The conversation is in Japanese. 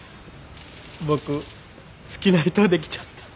僕好きな人できちゃった。